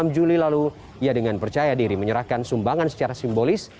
enam juli lalu ia dengan percaya diri menyerahkan sumbangan secara simbolis